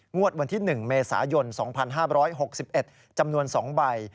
งวดวันที่๑เมษายน๒๕๖๑จำนวน๒ใบ